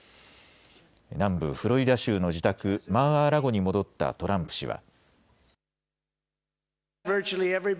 南部フロリダ州の自宅、マー・アー・ラゴに戻ったトランプ氏は。